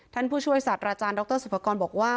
ท่านผู้ช่วยสัตว์อาจารย์ดรสุภกรบอกว่า